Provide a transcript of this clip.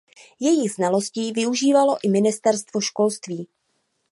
Jejích znalostí využívalo i ministerstvo školství.